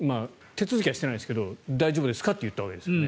手続きはしてないですけど大丈夫ですかって言ったんですよね。